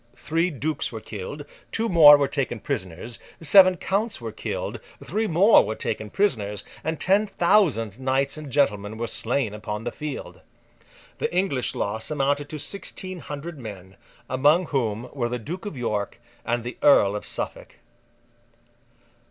Three Dukes were killed, two more were taken prisoners, seven Counts were killed, three more were taken prisoners, and ten thousand knights and gentlemen were slain upon the field. The English loss amounted to sixteen hundred men, among whom were the Duke of York and the Earl of Suffolk.